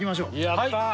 やったー！